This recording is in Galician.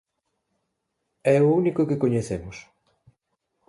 É o único que coñecemos.